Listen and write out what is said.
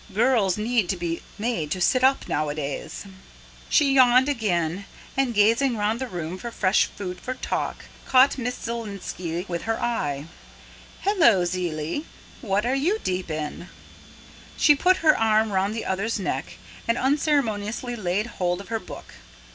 "Girls need to be made to sit up nowadays." She yawned again, and gazing round the room for fresh food for talk, caught Miss Zielinski with her eye. "Hullo, Ziely, what are you deep in?" She put her arm round the other's neck, and unceremoniously laid hold of her book.